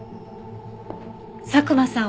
佐久間さん